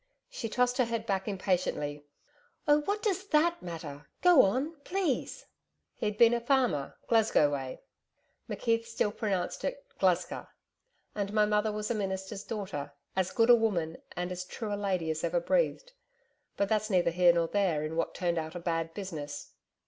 She tossed her head back impatiently. 'Oh what DOES that matter! Go on, please.' 'He'd been a farmer, Glasgow way' McKeith still pronounced it 'Glesca,' 'and my mother was a minister's daughter, as good a woman and as true a lady as ever breathed. But that's neither here nor there in what turned out a bad business.